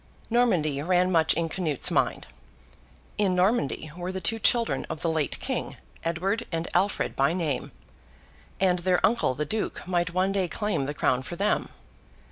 Normandy ran much in Canute's mind. In Normandy were the two children of the late king—Edward and Alfred by name; and their uncle the Duke might one day claim the crown for them.